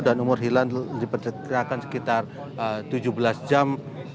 dan umur hilal diperkirakan sekitar tujuh belas jam